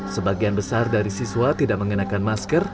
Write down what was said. sebagian besar dari siswa tidak mengenakan masker